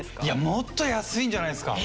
もっと安いんじゃないですか？